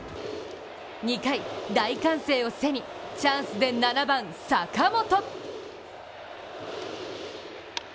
２回、大歓声を背にチャンスで７番・坂本。